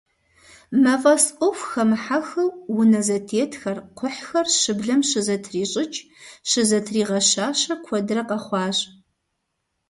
Мафӏэс ӏуэху хэмыхьэххэу, унэ зэтетхэр, кхъухьхэр, щыблэм щызэтрищӏыкӏ, щызэтригъэщащэ куэдрэ къэхъуащ.